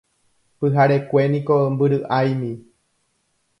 Pyharekue niko mbyry'áimi.